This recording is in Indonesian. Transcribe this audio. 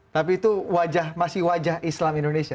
tapi itu wajah masih wajah islam indonesia